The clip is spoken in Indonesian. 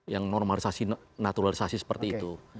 yang normalisasi naturalisasi seperti itu